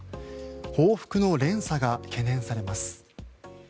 報復の連鎖が懸念されます。